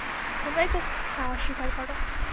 তোমরাই তো তা অস্বীকার কর!